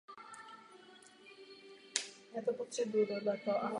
Navštěvoval Syracuse University.